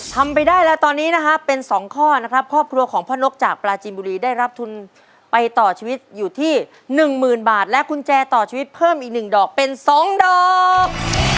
ทำไปได้แล้วตอนนี้นะฮะเป็น๒ข้อนะครับครอบครัวของพ่อนกจากปลาจีนบุรีได้รับทุนไปต่อชีวิตอยู่ที่หนึ่งหมื่นบาทและกุญแจต่อชีวิตเพิ่มอีก๑ดอกเป็น๒ดอก